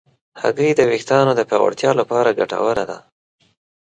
هګۍ د ویښتانو د پیاوړتیا لپاره ګټوره ده.